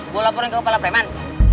gue laporin ke kepala preman